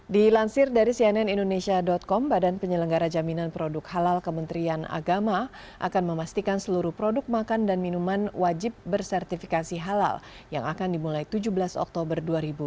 dilansir dari cnn indonesia com badan penyelenggara jaminan produk halal kementerian agama akan memastikan seluruh produk makan dan minuman wajib bersertifikasi halal yang akan dimulai tujuh belas oktober dua ribu dua puluh